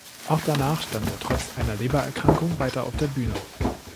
Auch danach stand er trotz einer Lebererkrankung weiter auf der Bühne.